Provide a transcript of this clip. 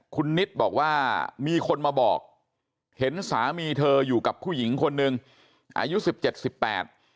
คุณนิดบอกว่ามีคนมาบอกเห็นสามีเธออยู่กับผู้หญิงคนหนึ่งอายุสิบเจ็ดสิบแปด